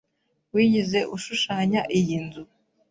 Wigeze ushushanya iyi nzu?